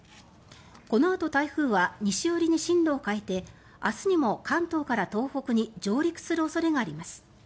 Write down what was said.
このあと、台風は西寄りに進路を変えて明日にも関東から東北に上陸する恐れがあります。